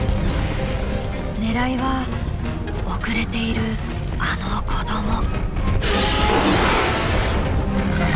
狙いは遅れているあの子ども。